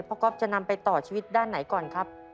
ก๊อฟจะนำไปต่อชีวิตด้านไหนก่อนครับ